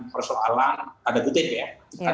persoalan ada gede ya